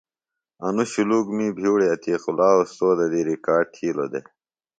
انوۡ شُلوک می بھئیوڑی عتیق اللہ اوستوذہ دی ریکارڈ تھیلوۡ دےۡ